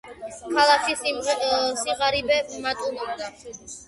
ქალაქში სიღარიბე მატულობდა.